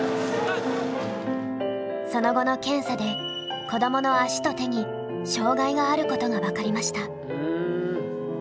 その後の検査で子どもの足と手に障害があることが分かりました。